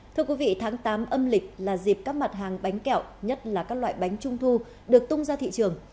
thưa quý vị tháng tám âm lịch là dịp các mặt hàng bánh kẹo nhất là các loại bánh trung thu được tung ra thị trường